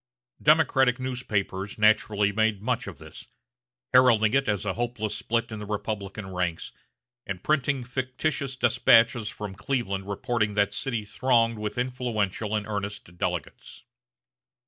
Democratic newspapers naturally made much of this, heralding it as a hopeless split in the Republican ranks, and printing fictitious despatches from Cleveland reporting that city thronged with influential and earnest delegates.